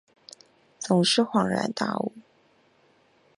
总是恍然大悟